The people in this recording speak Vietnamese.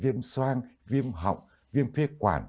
viêm soan viêm họng viêm phế quản